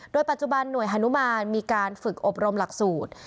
โดยปัจจุบันหน่วยฮานุมานมีการฝึกอบรมหลักสูตร